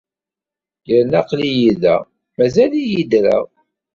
Yerna aql-iyi da, mazal-iyi ddreɣ.